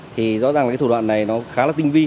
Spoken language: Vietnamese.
thì rõ ràng cái thủ đoạn này nó khá là tinh vi